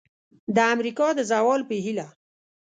د امریکا د زوال په هیله!